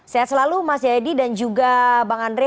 sehat selalu mas jayadi dan juga bang andre